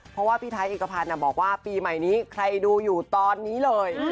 เพราะว่าพี่ไทยเอกพันธ์บอกว่าปีใหม่นี้ใครดูอยู่ตอนนี้เลย